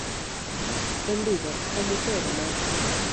En Vigo, o Museo do Mar.